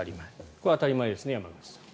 これは当たり前ですね山口さん。